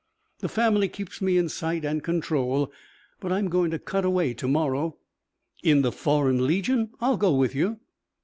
The family keeps me in sight and control. But I'm going to cut away to morrow." "In the Foreign Legion? I'll go with you."